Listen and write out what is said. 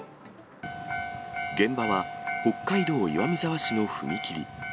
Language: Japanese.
現場は北海道岩見沢市の踏切。